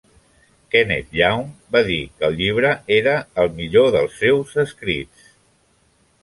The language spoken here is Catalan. Kenneth Young va dir que el llibre era "el millor dels seus escrits".